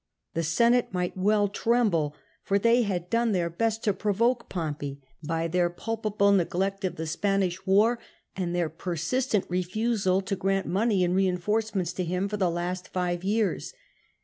The Senate might well tremble, for they had done their best to provoke Pompey, by their culpable neglect of the POMPETS LEAGUE WITH CRASSUS 247 Spanish war and their persistent refusal to grant money and reinforcements to him for the last five years.